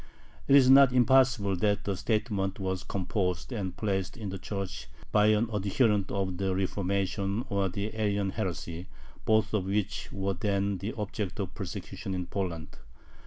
It is not impossible that the statement was composed and placed in the church by an adherent of the Reformation or the Arian heresy, both of which were then the object of persecution in Poland.